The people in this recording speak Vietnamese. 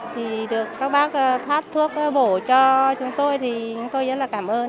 thì được các bác phát thuốc bổ cho chúng tôi thì chúng tôi rất là cảm ơn